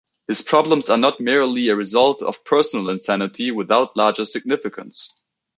His problems are not merely a result of personal insanity, without larger significance.